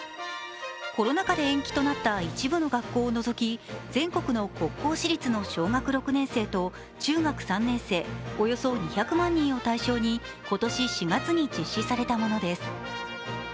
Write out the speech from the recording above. コロナ禍で延期となった一部の学校を除き全国の国公私立の小学６年生と中学３年生、およそ２００万人を対象に今年４月に実施されたものです。